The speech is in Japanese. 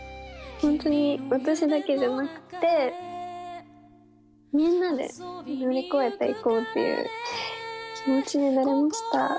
本当に私だけじゃなくてみんなで乗り越えていこうっていう気持ちになれました。